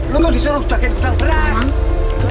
lo tuh disuruh jaga gudang beras